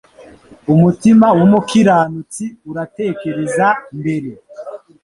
Umutima w umukiranutsi uratekereza mbere